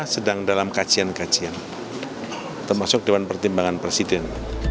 sedang dalam kajian kajian termasuk dewan pertimbangan presiden